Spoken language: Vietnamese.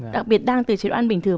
đặc biệt đang từ chế độ ăn bình thường